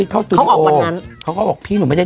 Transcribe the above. ใครอะกี้